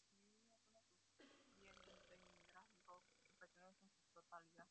La aerolínea es una subsidiaria de The Emirates Group, que pertenece en su totalidad.